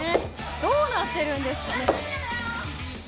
どうなっているんですかね。